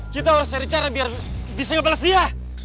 kita harus cari cara biar bisa ngebales dia